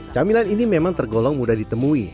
camilan ini memang tergolong mudah ditemui